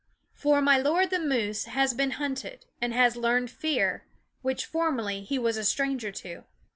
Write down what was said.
For Milord the Moose has been hunted and has learned fear, which formerly he was stranger to.